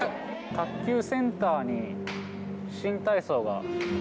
卓球センターに新体操が。